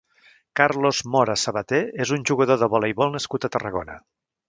Carlos Mora Sabaté és un jugador de voleibol nascut a Tarragona.